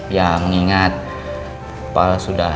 ya mengingat pak al sudah